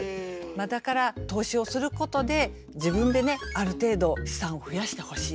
まあだから投資をすることで自分でねある程度資産を増やしてほしい。